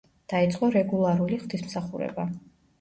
დაიწყო რეგულარული ღვთისმსახურება.